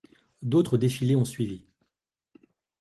D'autres défilés ont suivi.